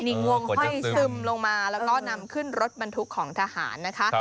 นี่งวงห้อยซึมลงมาแล้วก็นำขึ้นรถบรรทุกของทหารนะคะ